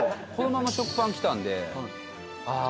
このまま食パン来たんであ